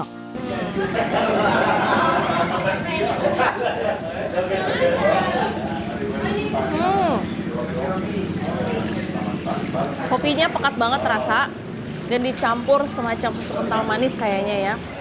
kopinya pekat banget rasa dan dicampur semacam susu kental manis kayaknya ya